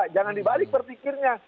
jangan dibalik berpikirnya